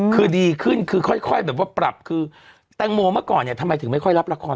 คือดีขึ้นคือค่อยแบบว่าปรับคือแตงโมเมื่อก่อนเนี่ยทำไมถึงไม่ค่อยรับละคร